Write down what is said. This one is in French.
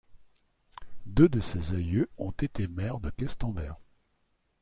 Deux de ses aïeux ont été maires de Questembert.